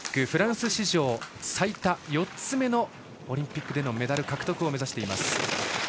フランス史上最多４つ目のオリンピックでのメダル獲得を目指しています。